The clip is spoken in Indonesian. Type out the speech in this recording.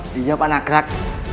tidak pak nagrak